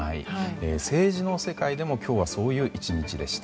政治の世界でも今日はそういう１日でした。